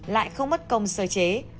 lại không mất công sơ chế